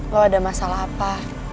lo ada masalah apa